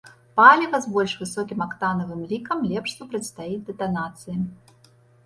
Паліва з больш высокім актанавым лікам лепш супрацьстаіць дэтанацыі.